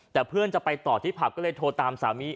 แต่เพื่อนจะไปต่อที่ผับก็เลยโทรตามสามี